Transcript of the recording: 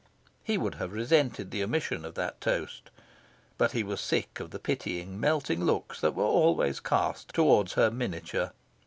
He would have resented the omission of that toast. But he was sick of the pitying, melting looks that were always cast towards her miniature.